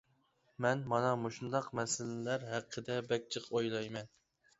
مەن مانا مۇشۇنداق مەسىلىلەر ھەققىدە بەك جىق ئويلايمەن.